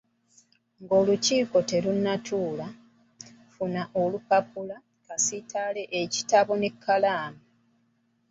Ng’olukiiko terunnatuula, funa empapula/ekitabo n’ekkalaamu.